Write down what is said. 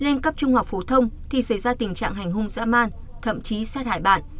lên cấp trung học phổ thông thì xảy ra tình trạng hành hung dã man thậm chí xét hại bạn